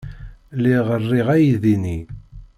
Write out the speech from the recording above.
Lliɣ riɣ aydi-nni.